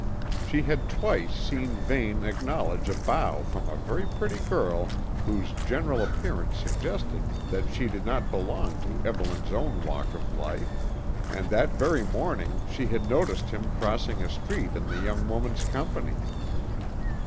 She had twice seen Vane acknowledge a bow from a very pretty girl whose general appearance suggested that she did not belong to Evelyn's own walk of life, and that very morning she had noticed him crossing a street in the young woman's company.